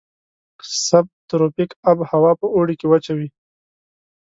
سب تروپیک آب هوا په اوړي کې وچه وي.